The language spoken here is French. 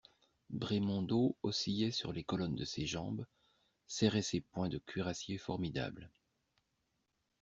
Brémondot oscillait sur les colonnes de ses jambes, serrait ses poings de cuirassier formidable.